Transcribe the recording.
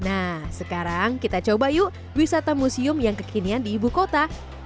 nah sekarang kita coba yuk wisata museum yang kekinian di ibu kota